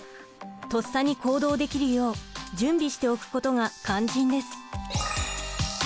とっさに行動できるよう準備しておくことが肝心です。